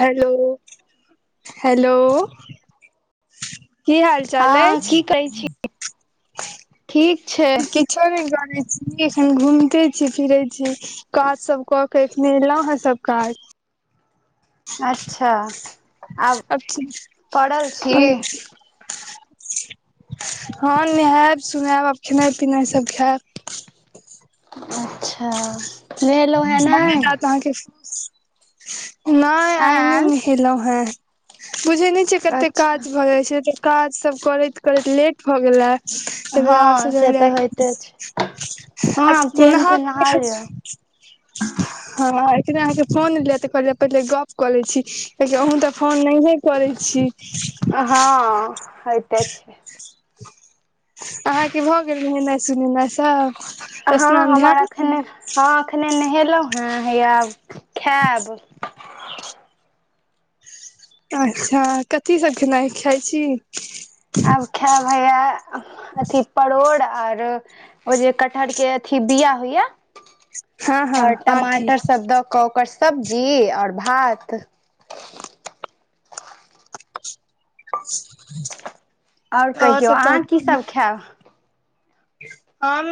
Hello hello की हाल चाल हँ अछि की कहै छी ठीक छै छोड़ करे छी एखन घूमते छी फिरे छी काज सब कऽ के एखने एलौ है सब काज [unintelligible] अच्छा आब पड़ल छी हँ नेहाएब सुनाएब आब खेनाइ पिनाइ सब खेएब अच्छा नेहेलो हँ नै ह नै आय नै आँ नहेलहु हैं बुझे न कछे कते अच्छा काज भ जाय छै तऽ काज सब करैत करैत लेट भ गेले त आग से हँ जल [unintelligible] तऽ होइते छै हँ अ आब नहा क [unintelligible] [inaudible] ह [unintelligible] हँ एतने अहाँ के फोन एले त कहलीयै पहिले गप क लै छी कियाकी अहुँ तऽ फोन नहिए करै छी आ हँ हैते छै अहाँके भऽ गेल नेहेनाइ सुनेनाइ सब हँ स्नान हमर ध्यान अखने हँ एखने नहेलौ ह हैया आब खेअब अच्छा कथी सब खेनाइ खाय छी, आब खेअब हैया अथी परोड़ आर ओ जे कटहर के अथी बिया होय हँ हँ आओर आठी टमाटर सब द ओकर स सब्जी आओर भात [inaudible] आओर कहियौ सब अहाँ तहन कहियौ कीसभ खेएब हम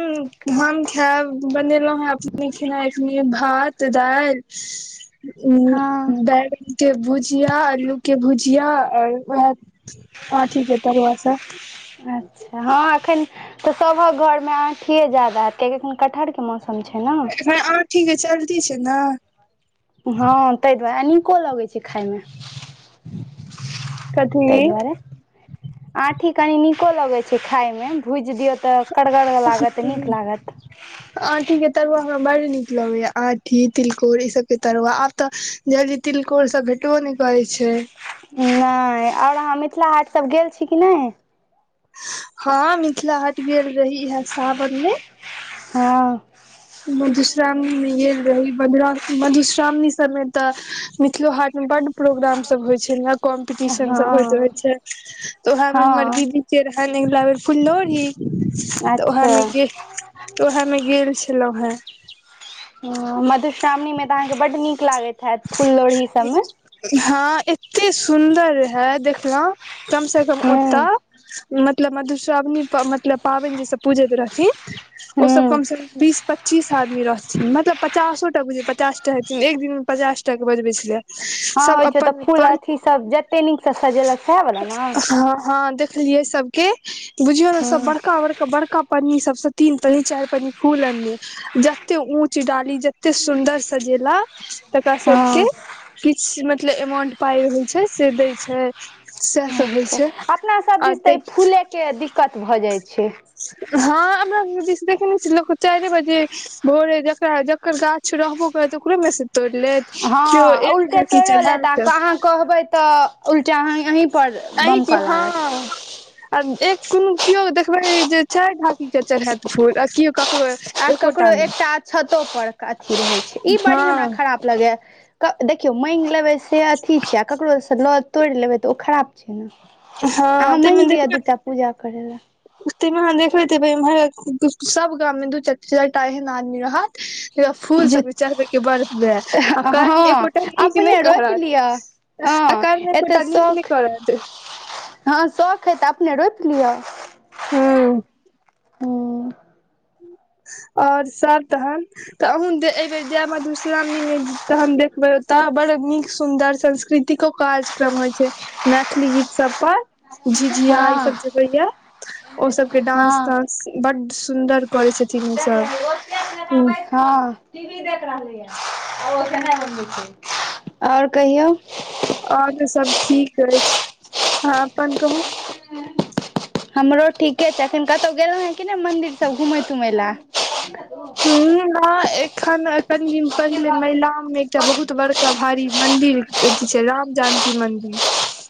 हम खायब बनेलौ हे अपने खेनाइ भात दझल हँ दै [unintelligible] के भुजिया आलू के भुजिया आओर नौवह आठी के तरुआ सब अच्छा हँ एखन तऽ सभक घरमे आठिए जादा किया कि एखन कटहर के मौसम छै न नै आठी [unintelligible] छै ने हँ तैय दुआरे नीको लगे छै खाय में [unintelligible] तैय कथी दुआरे आँठी कनि नीको लगैत छै खाय में भूजि दियौ तऽ कड़गर लागत नीक लागत आँठी केँ तरुआ हमरा बड्ड नीक लगैए आँठी तिलकोर ईसभ केँ तरुआ आब तऽ जल्दी तिलकोर सब भेटबो नै करै छै। नै और अहाँ मिथिला हाटसभ गेल छी कि नै- हँ मिथिला हट गेल रही इहै सावन में हँ मधुश्रावणी में गेल रही मधुश्रावणी सभ में तऽ मिथिलो हाट में बड प्रोग्राम सब होय छै ने कॉम्पटिशन सब होइत होय हँ छै तऽ ओएह में हमर हँ दीदी [unintelligible] फुल्लोढ़ी तऽ उह अच्छा में गेल [inaudible] उह मे गेल छै छेलै है मधुश्रावणी मे तऽ अहाँकेँ बड नीक लागैत हयैत फूल लोढ़ी सब में हँ एते सुन्दर रहै देखलौ कम स कम हूँ ओतऽ मतलब मधुश्रावणी मतलब पाबैन जेस पूजैत रहथिन ओ सब हूँ कम से कम बीस पच्चीस आदमी रहथिन मतलब पचासोटा बुझ पचास टा हेथिन एक दिन पचास टा कऽ बजबै छलियै। हँ सब होइ छै तऽ अपन फूल अपन अथी सब जते नीकसँ सजेलक सएह वला ने [inaudible] हँ हँ देख देखलियै सब केँ बुझियो न सब हँ बड़का बड़का बड़का पन्नी सब स तनी चाइर पन्नी फूल आनिए जते ऊँच डाली जते सुन्दर सजेल तकरा सब हँ केँ किछ मतब अमाउंट पाय रहै छै से दय छै सेह सब होइ अच्छा छै। अपना सभ आ दिस तऽ ई फूले केँ दिक्कत भऽ जै छै हँ अपना सब दिस देखेने छी लोक चाइरे बजे भोर जकरा ओकर गाछ रहबो करत ओकरो मे से तोड़ि लेत केओ हँ एक उल्टे ढकी तोड़ियो लेत आ चढ़त अहाँ कहबै तऽ उल्टा अ अही पर अहीं बम के कऽ लागत हँ आ ऐ कोन केओ देखबे जे चाइर ढाकी केँ चरहैत फूल आ केओ ककरो आ एकोटा ककरो नहि एकटा अक्षतो पर अथी रहैत छै ई बड़ी हमरा हँ खराब लगे कऽ देखियो माइंग लेबे से अथी छै आ ककरो से लऽ तोड़ लेबे तऽ ओ खराब छै न [inaudible] अहाँ हँ माइंग लिअ दूटा पूजा करै लऽ उठते मेहाँ देखबैत उम्हर दु सब गाम में दू चा चारटा एहन आदमी रहत फूल जे सब केँ चढ़बे केँ वै आ कहत हँ एकोटा नीक नै अपने रोपि लिअ कहत आ हँ काम एको एते टा नीक नै शौख करत हँ शौख है तऽ अपने रोइप लिय हुँ [unintelligible] और सब तहन तऽ अहन एहिबर जय मधुर मधुश्रामणी में तहन देखबे ओत बड़ नीक सुंदर सांस्कृतिको कार्यक्रम होय छै मैथिली गीत सब पर झिझिया ई हँ सब जे होे य ओ सब कऽ डांस हँ तांस बड सुंदर कर छथिन ई सब [inaudible] हु हँ कि देख रहलिहे [unintelligible] आओर कहियौ आओर तऽ सब ठीक अछि अहां अपन कहू हमरो ठीके छै एखन कतौह गेलहुँ हेँ कि नय मंन्दिर सब घुमय तुमय लए ह नय एखन कनि दिन पहिले महिलाम मे एकटा बहुत बड़का भरी मंदिर अथी छै राम जानकी मंन्दिर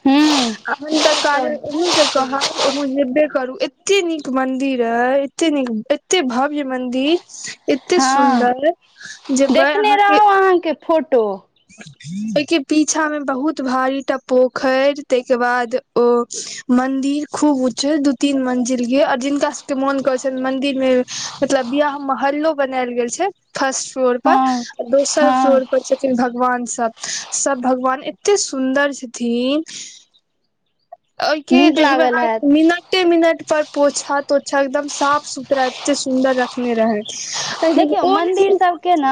हूँ अहन तऽ कार अहूंके कहब अहूँ जेबे करू एते नीक मंदिर अई एते नीक एते भव्य मंदिर एते हँ सुन्दर जेबै देखने अहाँके रहौ अहाँके फोटो ओईके पीछा मे बहुत भारीटा पोखरि ताहिके बाद ओ मंदिर खूब उच छै दू तीन मंजिल यै आओर जिनका सबके मोन करै छै मंदिर मे मतलब बियाह मोहल्लो बनायल गेल छै फर्स्ट फ्लोर पर हँ आ दोसर हँ फ्लोर पर छै भगवान सब सब भगवान एते सुन्दर छथिन ओहिके नीक लागल देहिबहा हैत मीनट एते मिनट पर पोछा तोछा एकदम साफ सुथरा एते सुन्दर रखने रहै तहन ओ नहि केना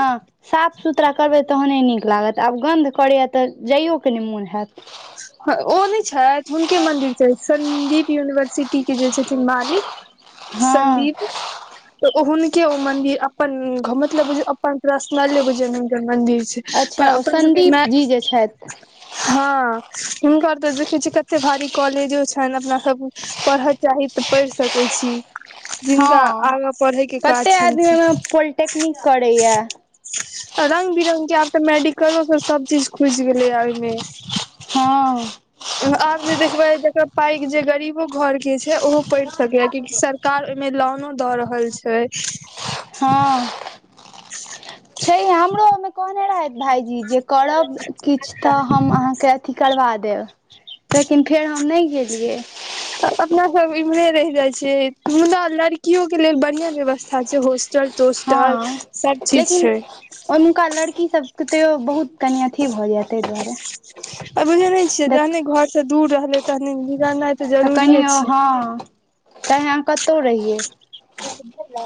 साफ सुथरा करबै तहने नीक लागत आब गन्ध करैया तऽ जाइयओके नय मोन हेऽत ओ नय छथि हुनके मन्दिर छै सन्दीप यूनिवर्सिटी के जे छथिन मालिक हँ संन्दीप [inaudible] तऽ ओ हुनके ओ मंदिर अपन घ मतलब बुझियौ अपन प्रश्नले बुझियौ हूनकरे मंदिर छै पर अच्छा ओ अपन सबके सदीप मै जी जे छथि हँ हुनका तऽ देखै छियै कते भारी कॉलेजो छनि अपना सब पढ़ऽ चाही तऽ पढ़ि सकै छी जिनका हँ आगाँ पढ़यके कते काज छनि आदमी ओहिमे पोलिटेक्निक करैया से रंग बिरंग के आब तऽ मेडिकलो सभ चीज खुजि गेलैया ओईमे हँ आब जे देखबै जकर पाई के जे गरीबो घर के छै ओहो पड़ि सकैया कियाकि सर कार ओईमे लोनो दऽ रहल छै हँ ह [inaudible] छै आ हमरो ओईमे कहने रहथि भाईजी जे करब किछ तऽ हम अहाँके अथि करबा देब लेकिन फेर हम नय गेलियै अपना सब इम्हरे रहि जाय छियै मुदा लड़कियो के लेल बढ़िया व्यवस्था छै होस्टल होस्टल सब चीज छै औनुका लड़की सब के तेयो बहुत कनि अथि भए जायत आ बुझेने नय छियै जहने देख घर से दूर रहले तनी बिगर नाइ तऽ जरूरिये छै तें हम कतौ रहियै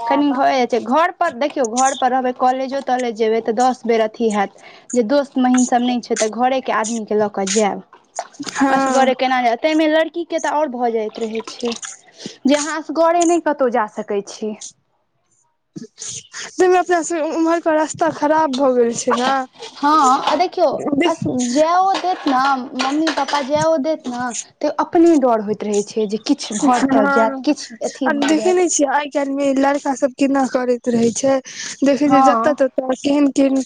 कनी भए जाइ छै घर पर देखियौ घर पर रहबै कॉलेजो तॉलेज जेबै तऽ दस बेर अथी हेऽत जे दोस्त महीम सभ नय छै तऽ घरेके आदमी के लऽ कऽ जेऽब हँ असगरे केना हेऽत तै मे लड़ की के तऽ आओर भऽ जाइत रहै छै जे अहाँ असगरे नय कतौ जा सकै छी तैयमे अपना सब उमहर पर रसता खराब भऽ गेल छै न हँ बीस न मम्मी पापा जायो देत न तयोऽ अपने डर होइत रहै छै जे किछु भऽ तऽ हँ जायत किछु आ अथी भऽ देखै जायत नै छीयाय आय आ काल मे लड़का सब केना करैत रहै छै देखै छै जत हँ त केहन केहन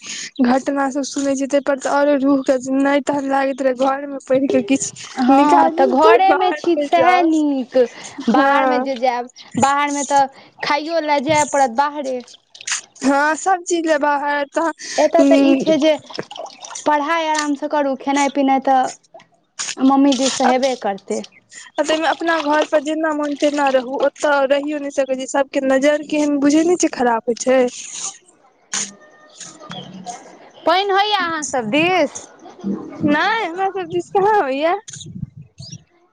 घटना सब सुनै छीयै तै पर औरो रूह के नै तहन लागैत रहै या घर मे प त किछु हँ निकाली पर बाहर नै जाउ ऽ बाहरमे हँ जे जायब बाहरमे तऽ खाइयो लए जाय पड़त बाहरे हँ सब चीज लेए बाहर एतय तऽ ई तहन छै जे पढ़ाइ आरामसँ करू खेनाइ पिनाइ तऽ। मम्मी दीस सँ हेबे करतै। आ ताईमे अपना घर पर जेना मोन तेना रहू ओतय रहियो नै सकै छी सब के नजर केहन बुझै नै छीयै खराब होय छै। ह [unintelligible] पैएन होइया अहाँ सब दिस। नै हमरा सब दीस कहाँ होइया।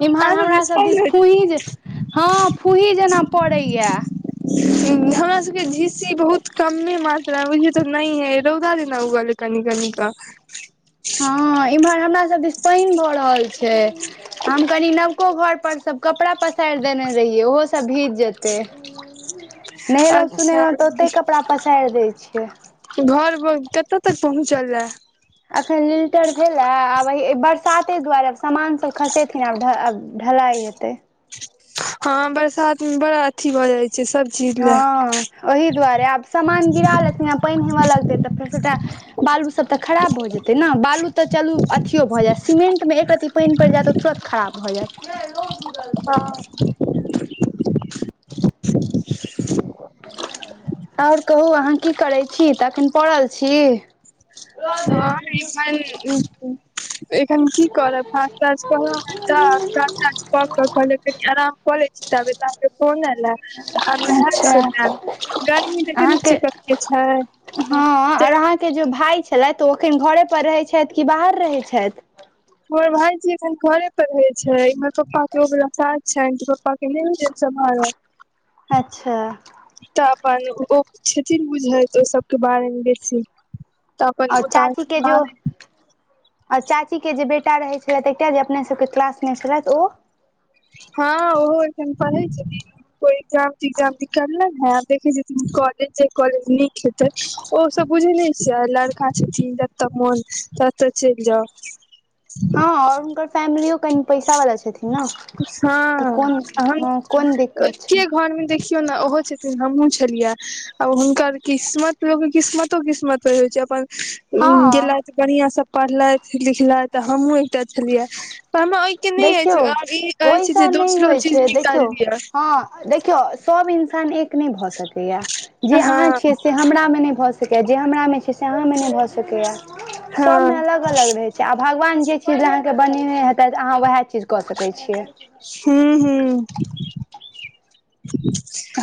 इम्हर हमरा सब दिस फूही जे हँ फूही जेना पड़ैया। हमरा सबके झीसी बहुत कमे मात्रा बुझियौ त नै हे रौदा जना उगल यै कनि कनि क। हँ इम्हर हमरा सब दिस पानि भऽ रहल छै। हम कनि नवको घरपर सब कपड़ा पसारि देने रहियै ओहोसब भीज जेतै। नहेलौं अच्छा सुनेलौं तऽ ओतै कपड़ा पसारि दैय छियै। घर ब कतय तक पहुँचलए। अखन लिल्टर भेला आब यही बरसाते दुआरे समान सब खसे एखन आब आब ढलाइ हेतै। हँ बरसात मे बड़ा अथी भऽ जाइ छै। सब चीज। लए हँ ओहि दुआरे आब सामान गिरा लेथिन आ पानि हेबय लगतै तऽ फेर सबटा। बालू सब तऽ खराब भऽ जेतै न बालू तऽ चलू अथियो भऽ जायत सीमेंटमे एकरत्ती। पानि पड़ि जायत तऽ तुरत खराब भऽ जाएत। हँ आओर कहू अहाँ की करै छी तखन पड़ल छी। हँ ए एखन की करब [unintelligible] सब काज कऽ क कहलियै कनि आराम कऽ लै छी ताबेत आहाँ के फोन ऐला। आब नहएब अच्छा सुनएब गर्मी देखैनैय अहाँके छीयाय कते छाय हँ आर अहाँके जे भाय छलथि ओ अखन घरे पर रहै छथि कि बाहर रहै छथि। हमर भायजी एखन घरे पर रहै छै इमहर पापा के उबला काज छनि तऽ पपा के नय होय छैन सम्हारत। अच्छा। तऽ अपन ओ [unintelligible] बुझैत ओ सबके बारेमे बेसी तऽ। अपन आ ओता चाची के जे ओ। आ चाचीके जे बेटा रहैत छलथि एकटा जे अपनेसबके क्लासमे छलथि ओ। हँ ओहो एखन पढ़ै छथिन। ओ एग्जाम तिग्जाम निकललै है देखै छथीन त कॉलेज जा कॉलेज नी खेतै ओ सब बुझे नै छियाय लड़का। छथीन जतऽ मोन तऽ त चलि जाउ। हँ आओर हुनकर फैमिलियो कनि पैसा वाला छथिन न। हँ अहन कोन दिक्कत एक्के छै घरमे देखि यौ ने ओहो छथिन हमहुँ छलिया आ हुनकर किस्मत लोकक किस्मतो किस्मत पर होइत छै अपन हँ गेलथि बढ़िया स पढ़लथि लिखलथि हमहुँ एकटा छलिया पर हमरा ओहिके नय देखियौ अछि आब ई अछि जे दोसरो चीज निकाइल लिय हं देखियौ सब इन्सान एक नय भऽ सकैया जे अहाँ हँ छियै से से हमरा मे नय भऽ सकैया जे हमरा मे छै से अहाँ मे नय भऽ सकैया हँ सबमे अलग अलग रहै छै आ भगवान जे चीज ले अहाँकेँ बनेने हेतैथ अहाँ वएह चीज कऽ सकै छियै हूं हूं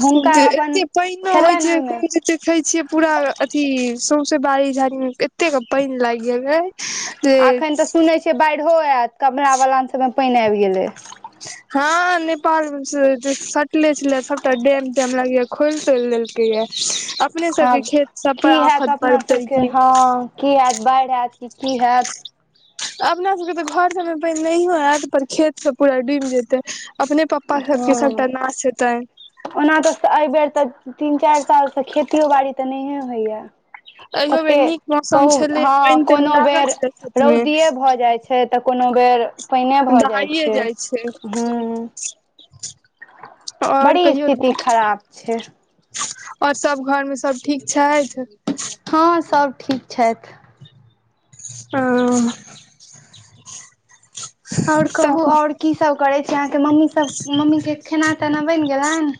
हुनका जे अपन एते पैनो होइ छलनि ओहिमे छैै [unintelligible] छियै पूरा अथी सौंसे बाड़ी झाड़ी मे एते कऽ पानि लागि गेलय एखन तऽ सुनै छियै बाइड़ो एत कमला बलान सभ मे पानि आबि गेलै हँ नेपाल से सटले छलैया सबटा डेम तेम लगैया खोईल तोईलि देलकै या अपने आब सबके खेत सब पर की हैत आफत अपना पड़तै सभके की हँ की एत बाढ़ि एत कि कि हेऽत अपना सब के त घर सब मे पानि नहियो एत पर खेत सब पूरा डूबि जेतै अपने पप्पा सब के हँ सबटा नास हेतनि ओना तऽ अईबेर तऽ तीन चारि सालसँ खेतियो बाड़ी तऽ नहिए होइये एहियो बेर ओते नीक मौसम कहू छलै हँ पानि तानि कोनो लागल बेर छलै खेत मे रौदिए भऽ जाइ छै छै तऽ कोनो बेर पनिए भऽ जाइ छै हुं आओर बड़ी कहियौ स्थिति न खराब छै आओर सब घर मे सब ठीक छथि हँ सब ठीक छथि हं आओर कहू हँ आओर की सब करै छी अहाँके मम्मी सब मम्मी के खेना तेना बनि गेलनि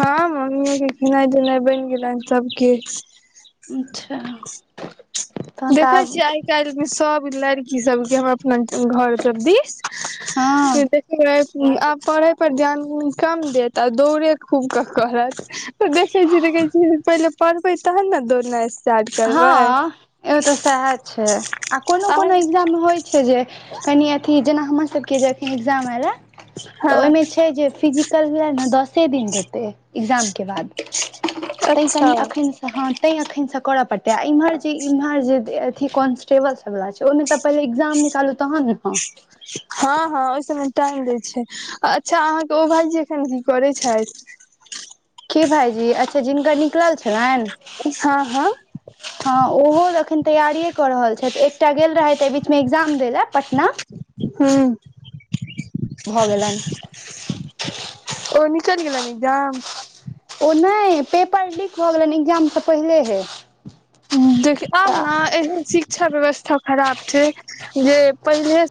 हँ मम्मीयो के खेनाइ देनाइ बनि गेलनि सब किछ अच्छा तहन तऽ देखै आब छियै आइ काल्हि मे सब लड़की सबके हम अपना घर सब दिस हँ [unintelligible] आब पढ़य पर ध्यान कम देत आ दौड़े खूब कऽ करत देखै छी तऽ कहै छी पहिले पढ़बै तहन ने दौड़नाइ स्टार्ट करबै एतऽ सएह छै आ कोनो कोनो एग्जाम होइ छै जे कनि अथी जेना हमर सबके जे अखन एग्जाम अयलै तऽ हँ ओईमे छै जे फिजिकल ये ने दसे दिन देतै एग्जाम के बाद तैं अच्छा कनि अखनसँ हँ तैं अखन से करऽ पड़तै आ इम्हर जे इम्हर जे अथी कॉन्स्टेबल छै ओहिमे तऽ पहले एकग्जाम निकालू तहन हेता हँ हँ ओई सब मे टाइम दै छै अच्छा अहाँके ओ भाइजी एखन की करै छथि की भाइजी अच्छा जिनकर निकलल छलनि हँ हँ हँ ओहोऽ अखन तैयारिए कऽ रहल छथि एकटा गेल रहथि एहि बीच मे एकग्जाम दै लऽ पटना हूं भऽ गेलनि ओ निकलि गेलनि एग्जाम ओ नय पेपर लीक भऽ गेलनि एग्जाम सऽ पहिलेहे देखि आब तऽ ने एहन शिक्षा व्यवस्था खराब छै जे पहिले